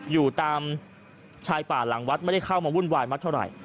อยู่ตามชายป่าหลังวัดไม่ได้เข้ามาวุ่นวายมากเท่าไหร่